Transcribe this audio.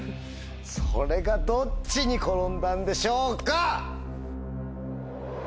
それがどっちに転んだんでしょうか？